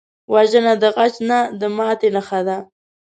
وژنه د غچ نه، د ماتې نښه ده